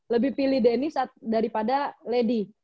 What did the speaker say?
lebih pilih deni daripada lady